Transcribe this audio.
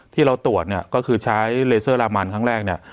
ที่เราตรวจก็คือใช้เลเซอร์รามันครั้งแรก